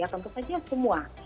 tentu saja semua